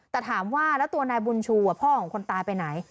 แต่ถามว่าแล้วตัวนายบุญชูพ่อของคนตายไปไหน